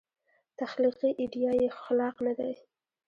تخلیقي ایډیا یې خلاق نه دی.